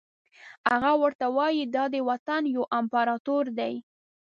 هغه ورته وایي ته ددې وطن یو امپراتور یې.